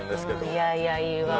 いやいやいいわ。